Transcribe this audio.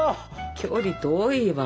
距離遠いわ。